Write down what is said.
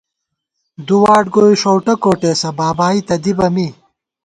دُو واٹ گوئی ݭؤٹہ کوٹېسہ بابائی تہ دِبہ می